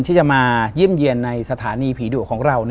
ที่จะมาเยี่ยมเยี่ยมในสถานีผีดุของเรา